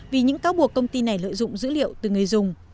vì những thông tin đã bị tiết lộ